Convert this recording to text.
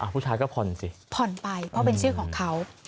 ผู้ชายก็ผ่อนสิผ่อนไปเพราะเป็นชื่อของเขา